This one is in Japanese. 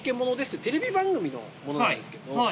ってテレビ番組の者なんですけど。